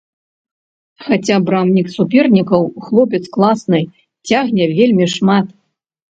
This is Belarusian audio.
Хаця брамнік супернікаў хлопец класны, цягне вельмі шмат.